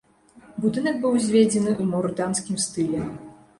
Будынак быў узведзены ў маўрытанскім стылі.